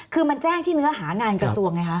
คือมันแจ้งที่เนื้อหางานกระทรวงไงคะ